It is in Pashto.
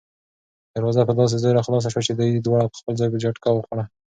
دروازه په داسې زور خلاصه شوه چې دوی دواړه په خپل ځای جټکه وخوړه.